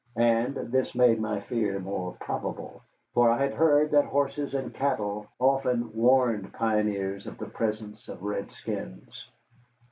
And this made my fear more probable, for I had heard that horses and cattle often warned pioneers of the presence of redskins.